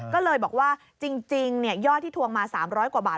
ก็เลยบอกว่าจริงยอดที่ทวงมา๓๐๐กว่าบาท